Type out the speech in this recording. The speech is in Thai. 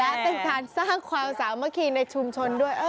และเป็นการสร้างความสามัคคีในชุมชนด้วย